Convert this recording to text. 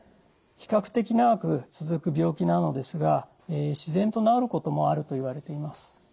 比較的長く続く病気なのですが自然と治ることもあるといわれています。